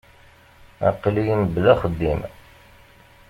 Aql-iyi mebla axeddim.